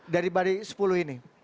dari baris sepuluh ini